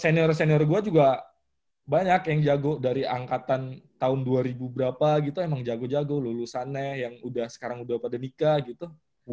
senior senior gue juga banyak yang jago dari angkatan tahun dua ribu berapa gitu emang jago jago lulusannya yang sekarang udah pada nikah gitu